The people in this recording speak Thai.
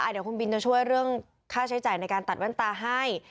เดี๋ยวคุณบินจะช่วยเรื่องค่าใช้จ่ายในการตัดแว่นตาให้